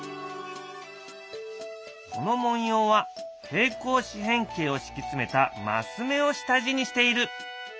この文様は平行四辺形を敷き詰めたマス目を下地にしている。